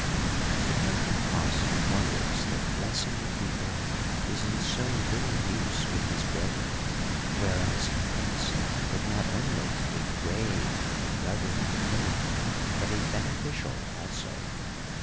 The Country Parson wonders that blessing the peo ple is in so little use with his brethren ; whereas he thinks it not only a grave and reverend thing, but a beneficial also.